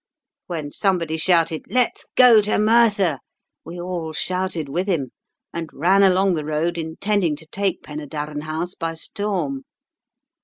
When somebody shouted, 'Let's go to Merthyr!' we all shouted with him, and ran along the road, intending to take Penydarren House by storm.